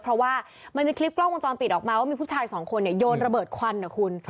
เพราะว่ามันมีคลิปกล้องวงจรปิดออกมาว่ามีผู้ชายสองคนเนี่ยโยนระเบิดควันนะคุณ